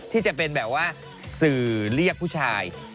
ที่จะเป็นแบบว่าสื่อเรียกผู้ชาย